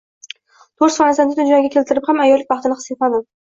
To`rt farzandni dunyoga keltirib ham ayollik baxtini his etmadim